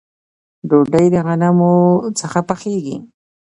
ډوډۍ د غنمو څخه پخیږي